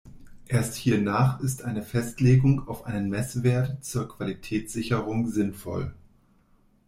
Erst hiernach ist eine Festlegung auf einen Messwert zur Qualitätssicherung sinnvoll.